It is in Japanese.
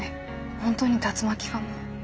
本当に竜巻かも。